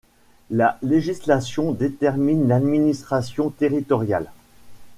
La législation détermine l'administration territoriale.